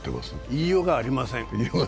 言いようがありません。